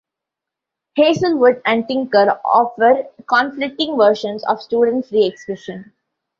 "Hazelwood" and "Tinker" offer conflicting versions of student free expression.